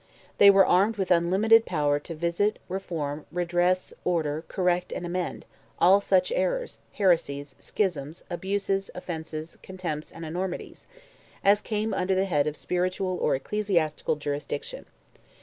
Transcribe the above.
They were armed with unlimited power "to visit, reform, redress, order, correct and amend, all such errors, heresies, schisms, abuses, offences, contempts and enormities," as came under the head of spiritual or ecclesiastical jurisdiction.